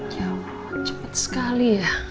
ya allah cepat sekali ya